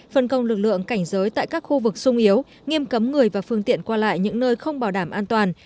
phân công lực lượng cảnh giới tại các khu vực sung yếu nghiêm cấm người và phương tiện qua lại những nơi không bảo đảm an toàn